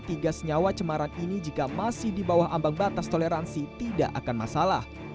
tiga senyawa cemaran ini jika masih di bawah ambang batas toleransi tidak akan masalah